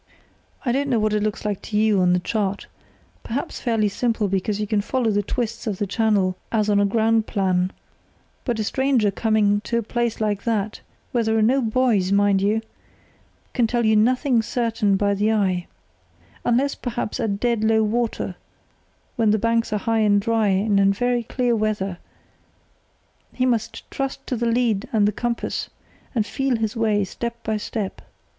I don't know what it looks like to you on the chart—perhaps fairly simple, because you can follow the twists of the channels, as on a ground plan; but a stranger coming to a place like that (where there are no buoys, mind you) can tell nothing certain by the eye—unless perhaps at dead low water, when the banks are high and dry, and in very clear weather—he must trust to the lead and the compass, and feel his way step by step.